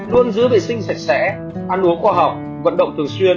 luôn giữ vệ sinh sạch sẽ ăn uống khoa học vận động thường xuyên